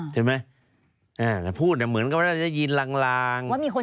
แต่พูดเหมือนกับว่าได้ยินลาง